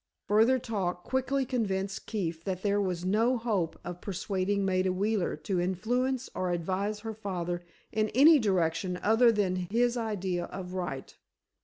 Further talk quickly convinced Keefe that there was no hope of persuading Maida Wheeler to influence or advise her father in any direction other than his idea of right.